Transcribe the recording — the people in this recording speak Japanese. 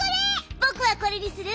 ぼくはこれにする！